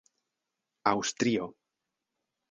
aŭstrio